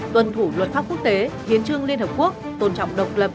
tuân thủ luật pháp quốc tế hiến trương liên hợp quốc tôn trọng độc lập